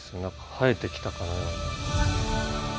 生えてきたかのような。